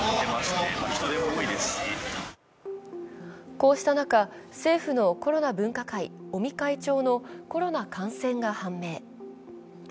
こうした中、政府のコロナ分科会、尾身会長のコロナ感染が判明。